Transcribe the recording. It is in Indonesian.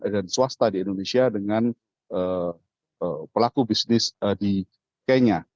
dan swasta di indonesia dengan pelaku bisnis di kenya